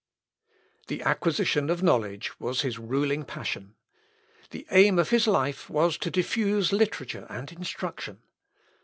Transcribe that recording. The acquisition of knowledge was his ruling passion. The aim of his life was to diffuse literature and instruction.